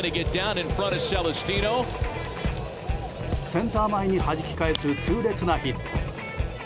センター前にはじき返す痛烈なヒット。